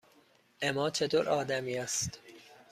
اِما چطور آدمی است؟